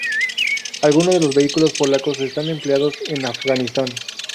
Algunos de los vehículos polacos están empleados en Afganistán.